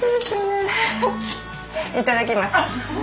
いただきます。